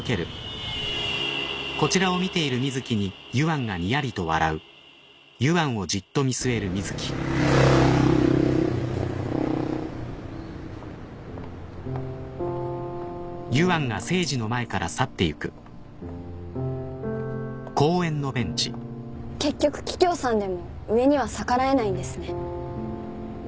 結局桔梗さんでも上には逆らえないんですね。